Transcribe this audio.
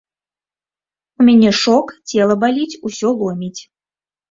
У мяне шок, цела баліць, усё ломіць.